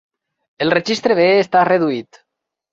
El registre B està reduït.